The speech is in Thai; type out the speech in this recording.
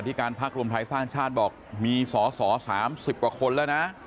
การพักรวมไทยสร้างชาติบอกมีสอสอ๓๐กว่าคนแล้วนะ